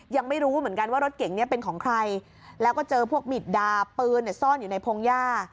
ยังไม่รู้เหมือนกันว่ารถเก่งนี้เป็นของใครแล้วก็เจอพวกมิดดาปืนซ่อนอยู่ในพงหญ้า